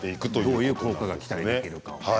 どんな効果が期待できるのか。